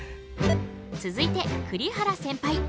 続いて栗原センパイ。